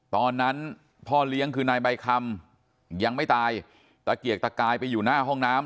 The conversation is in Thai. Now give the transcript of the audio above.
ตอนนั้นพ่อเลี้ยงคือนายใบคำยังไม่ตายตะเกียกตะกายไปอยู่หน้าห้องน้ำ